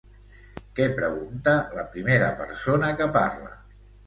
Què pregunta la primera persona que parla?